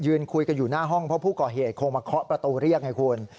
คุยกันอยู่หน้าห้องเพราะผู้ก่อเหตุคงมาเคาะประตูเรียกไงคุณ